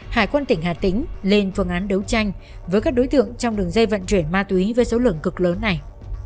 hải quân tỉnh hà tĩnh lên phương án đấu tranh với các đối tượng trong đường dây vận chuyển ma túy với số lượng cực lớn này